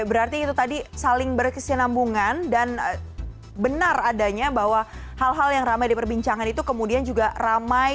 berarti itu tadi saling berkesinambungan dan benar adanya bahwa hal hal yang ramai diperbincangan itu kemudian juga ramai